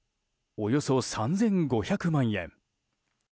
およそ３５００万円。